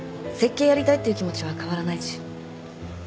設計やりたいっていう気持ちは変わらないし。